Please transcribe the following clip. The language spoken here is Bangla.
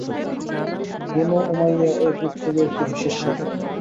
বনু উমাইয়া এই গোত্রেরই একটি বিশেষ শাখা।